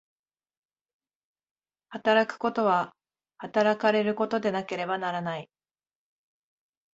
働くことは働かれることでなければならない。